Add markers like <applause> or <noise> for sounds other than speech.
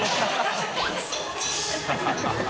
ハハハ <laughs>